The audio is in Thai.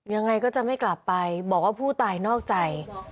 ยังไงก็จะไม่กลับไปบอกว่าผู้ตายนอกใจ